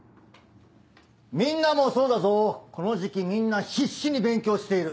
みんなもそうだぞこの時期みんな必死に勉強している。